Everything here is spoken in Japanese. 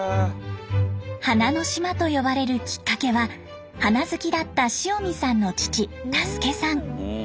花の島と呼ばれるきっかけは花好きだった塩見さんの父太助さん。